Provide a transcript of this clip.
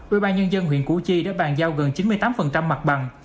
ủy ban nhân dân huyện củ chi đã bàn giao gần chín mươi tám mặt bằng